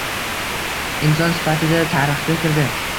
Inson sifatida tarixga kirdi.